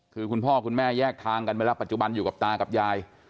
คือคุณพ่อคุณแม่แยกทางกันไปแล้วปัจจุบันอยู่กับตากับยาย